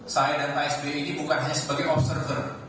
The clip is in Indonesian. saya dan pak sby ini bukan hanya sebagai observer